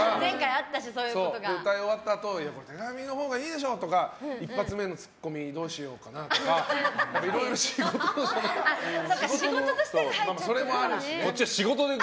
歌い終わったあと手紙のほうがいいでしょとか一発目のツッコミどうしようとか本当に飲んでるじゃん！